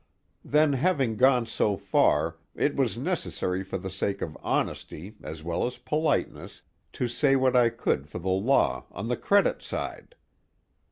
Then having gone so far, it was necessary for the sake of honesty as well as politeness to say what I could for the law on the credit side.